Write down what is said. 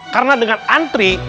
karena dengan antri